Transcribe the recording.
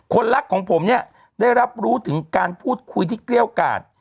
รักของผมเนี่ยได้รับรู้ถึงการพูดคุยที่เกลี้ยวกาด